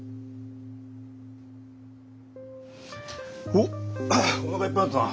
おっおなかいっぱいになったな。